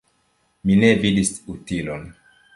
Mi ne vidis utilon.